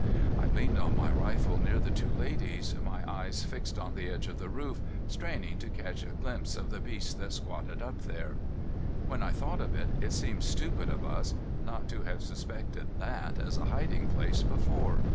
I leaned on my rifle near the two ladies, my eyes fixed on the edge of the roof, straining to catch a glimpse of the beast that squatted up there. When I thought of it, it seemed stupid of us not to have suspected that as a hiding place before.